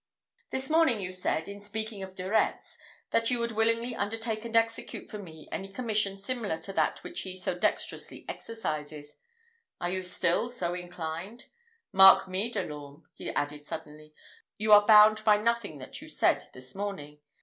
This morning you said, in speaking of De Retz, that you would willingly undertake and execute for me any commission similar to that which he so dexterously exercises. Are you still so inclined? Mark me, De l'Orme," he added suddenly, "you are bound by nothing that you said this morning.